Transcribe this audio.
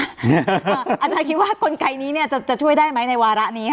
อาจารย์คิดว่ากลไกนี้จะช่วยได้ไหมในวาระนี้ค่ะ